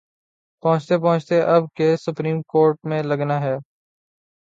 پہنچتے پہنچتے اب کیس سپریم کورٹ میں لگناہے۔